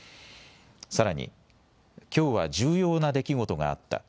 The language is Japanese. さらに、きょうは重要な出来事があった。